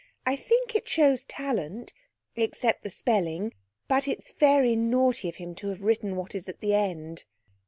I think it shows talent, except the spelling. But it's very naughty of him to have written what is at the end.'